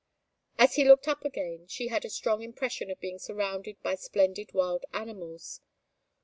As she looked up again, she had a strong impression of being surrounded by splendid wild animals.